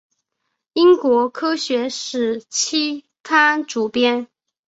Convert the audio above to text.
英国科学史期刊主编。